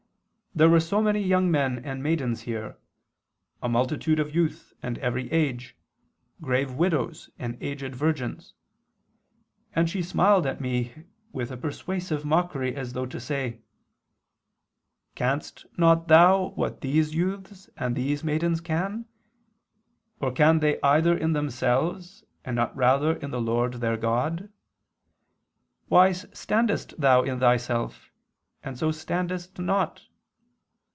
There were so many young men and maidens here, a multitude of youth and every age, grave widows and aged virgins ... And she smiled at me with a persuasive mockery as though to say: Canst not thou what these youths and these maidens can? Or can they either in themselves, and not rather in the Lord their God? ... Why standest thou in thyself, and so standest not?